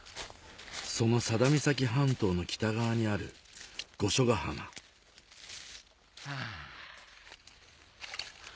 その佐田岬半島の北側にある御所ヶ浜ハァ。